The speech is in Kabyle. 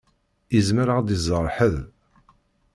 Izmer ad ɣ-d-iẓeṛ ḥedd.